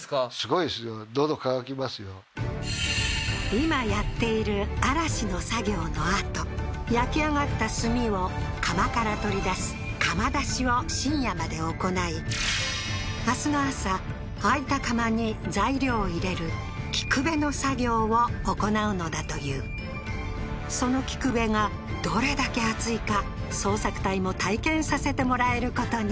今やっている「あらし」の作業のあと焼き上がった炭を窯から取り出す明日の朝空いた窯に材料を入れる「木焚べ」の作業を行うのだというその「木焚べ」がどれだけ熱いか捜索隊も体験させてもらえることに